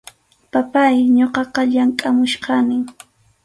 Papáy, ñuqaqa llamkʼamuchkanim.